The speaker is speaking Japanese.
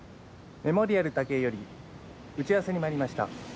メモリアル竹井より打ち合わせに参りました。